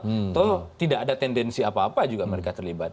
atau tidak ada tendensi apa apa juga mereka terlibat